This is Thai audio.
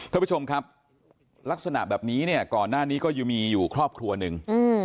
ท่านผู้ชมครับลักษณะแบบนี้เนี่ยก่อนหน้านี้ก็ยังมีอยู่ครอบครัวหนึ่ง